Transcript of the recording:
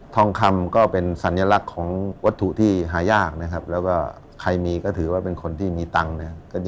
ทองคำก็เป็นสัญลักษณ์ของวัตถุที่หายากนะครับแล้วก็ใครมีก็ถือว่าเป็นคนที่มีตังค์นะครับ